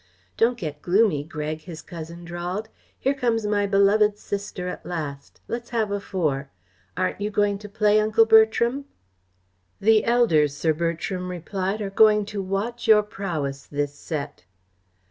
"Don't get gloomy, Greg," his cousin drawled. "Here comes my beloved sister at last. Let's have a four. Aren't you going to play, Uncle Bertram?" "The elders," Sir Bertram replied, "are going to watch your prowess this set."